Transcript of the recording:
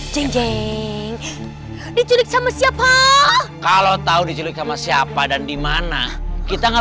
cincin diculik sama siapa kalau tahu diculik sama siapa dan dimana kita nggak